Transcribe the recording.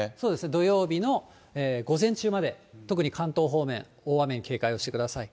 土曜日の午前中まで、特に関東方面、大雨に警戒をしてください。